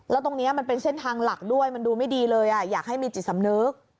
แล้วตรงนี้มันเป็นเส้นทางหลักด้วยมันดูไม่ดีเลยอยากให้มีจิตสำนึก